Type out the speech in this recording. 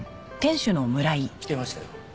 来てましたよ